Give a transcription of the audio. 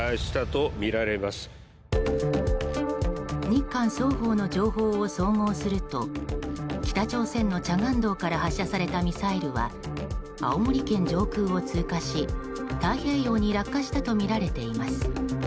日韓双方の情報を総合すると北朝鮮のチャガン道から発射されたミサイルは青森県上空を通過し、太平洋に落下したとみられています。